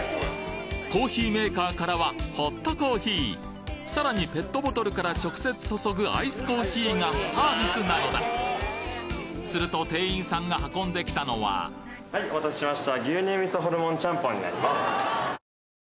コーヒーメーカーからはホットコーヒーさらにペットボトルから直接注ぐアイスコーヒーがサービスなのだすると店員さんが運んできたのははいお待たせしました。